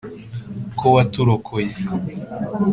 Ko waturokoye